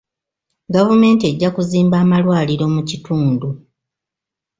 Gavumenti ejja kuzimba amalwaliro mu kitundu.